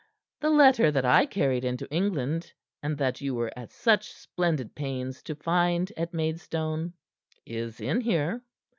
The letter that I carried into England, and that you were at such splendid pains to find at Maidstone, is in here."